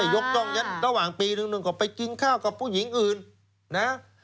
ยกย่องกันระหว่างปีนึงก็ไปกินข้าวกับผู้หญิงอื่น